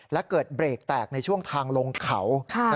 และเกิดเบรกแตกในช่วงทางลงเขา